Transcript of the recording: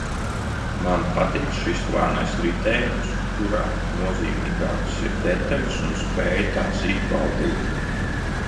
Man patīk šis lēnais ritējums, kurā nozīmīgākas ir detaļas un spēja tās izbaudīt